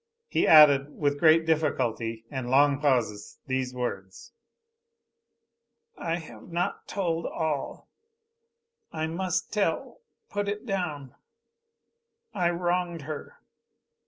He added, with great difficulty and long pauses these words. "I have not told all. I must tell put it down I wronged her.